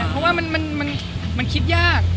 เพราะว่ามันคิดยาก